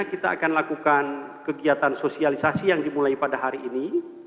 kita akan lakukan kegiatan sosialisasi yang dimulai pada hari ini